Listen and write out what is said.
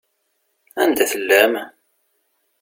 Anda i tellam?